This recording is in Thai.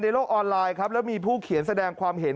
โลกออนไลน์ครับแล้วมีผู้เขียนแสดงความเห็น